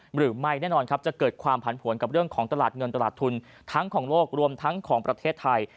หรือไม่แน่นอนครับจะเกิดความผันผวนกับเรื่องของตลาดเงินตลาดทุนทั้งของโลกรวมทั้งของประเทศไทย